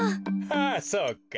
あそうか。